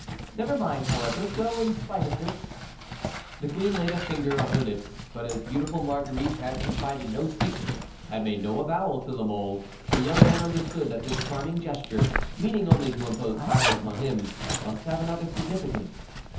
Never mind, however, go, in spite of this." The queen laid a finger on her lips. But as beautiful Marguerite had confided no secret, had made no avowal to La Mole, the young man understood that this charming gesture, meaning only to impose silence on him, must have another significance.